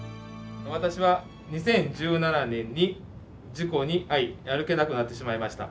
「私は２０１７年に事故に遭い歩けなくなってしまいました。